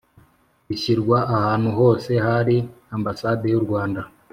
Bishyirwa ahantu hose hari ambasade y u rwanda